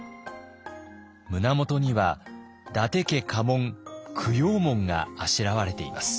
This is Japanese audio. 胸元には伊達家家紋九曜紋があしらわれています。